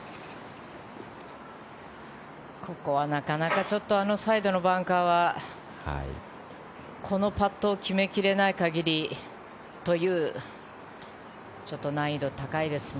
ここはなかなかあのサイドのバンカーはこのパットを決め切れない限りというちょっと難易度が高いですね。